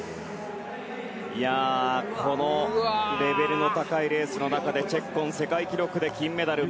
このレベルの高いレースの中でチェッコン世界記録で金メダル。